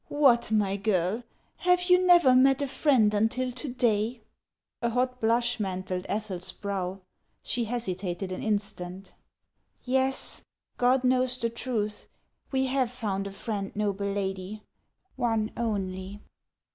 " What, my girl ! have you never met a friend until to day ?" A hot blush mantled Ethel's brow. She hesitated an instant. " Yes. God knows the truth, we have found a friend, noble lady, — one only